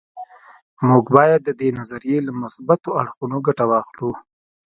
موږ باید د دې نظریې له مثبتو اړخونو ګټه واخلو